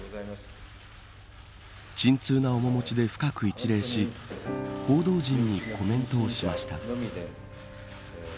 沈痛な面もちで深く一礼し報道陣にコメントをしました。